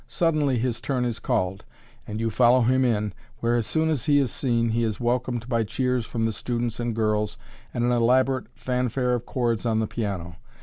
Suddenly his turn is called, and you follow him in, where, as soon as he is seen, he is welcomed by cheers from the students and girls, and an elaborate fanfare of chords on the piano.